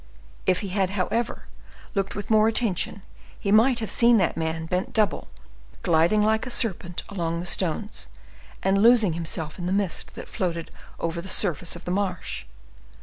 If he had, however, looked with more attention, he might have seen that man, bent double, gliding like a serpent along the stones and losing himself in the mist that floated over the surface of the marsh.